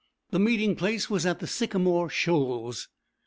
The meeting place was at the Sycamore Shoals.